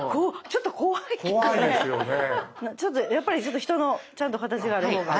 ちょっとやっぱり人のちゃんと形がある方が。